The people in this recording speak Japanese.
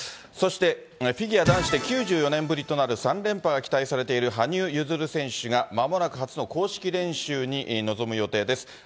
そしてフィギュア男子で９４年ぶりとなる３連覇が期待されている羽生結弦選手がまもなく初の公式練習に臨む予定です。